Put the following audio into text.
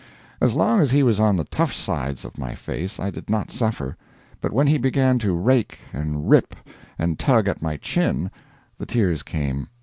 As long as he was on the tough sides of my face I did not suffer; but when he began to rake, and rip, and tug at my chin, the tears came.